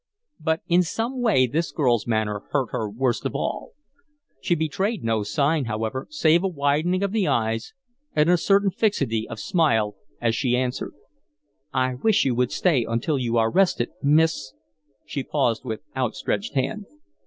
But in some way this girl's manner hurt her worst of all. She betrayed no sign, however, save a widening of the eyes and a certain fixity of smile as she answered: "I wish you would stay until you are rested, Miss " She paused with out stretched hand.